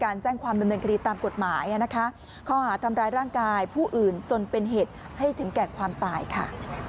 เขาอาจทำร้ายร่างกายผู้อื่นจนเป็นเหตุให้ถึงแก่ความตายค่ะ